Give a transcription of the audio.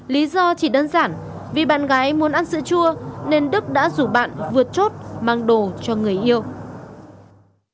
lý do chỉ đơn giản vì bạn gái muốn ăn sữa chua nên đức đã rủ bạn vượt chốt mang đồ cho người yêu